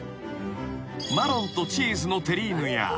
［マロンとチーズのテリーヌや］